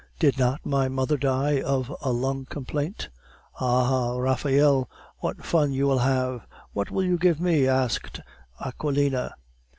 Did not my mother die of a lung complaint?" "Aha, Raphael! what fun you will have! What will you give me?" asked Aquilina.